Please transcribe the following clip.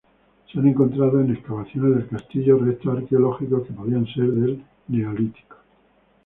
Se han encontrado en excavaciones del castillo restos arqueológicos que podían ser del Neolítico.